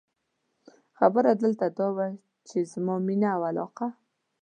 خبره دلته دا وه، چې زما مینه او علاقه.